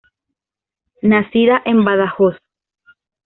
Nacida en Badajoz.